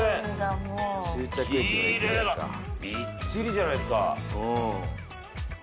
みっちりじゃないですか。